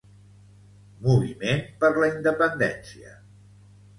Moviment per la independència.